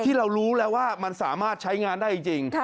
ที่เรารู้แล้วว่ามันสามารถใช้งานได้จริง